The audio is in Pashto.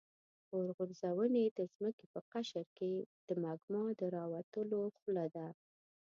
اورغورځونې د ځمکې په قشر کې د مګما د راوتلو خوله ده.